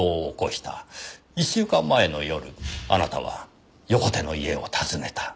１週間前の夜あなたは横手の家を訪ねた。